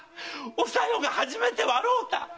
おさよが初めて笑うた。